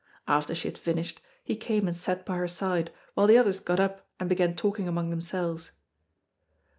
After she had finished, he came and sat by her side, while the others got up and began talking among themselves.